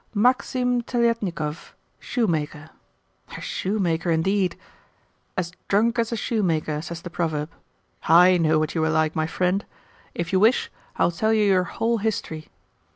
'Maksim Teliatnikov, shoemaker.' A shoemaker, indeed? 'As drunk as a shoemaker,' says the proverb. I know what you were like, my friend. If you wish, I will tell you your whole history.